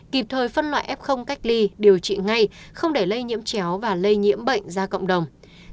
kịp thời phân loại f cách ly điều trị ngay không để lây nhiễm chéo và lây nhiễm bệnh ra cộng đồng